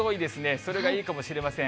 それがいいかもしれません。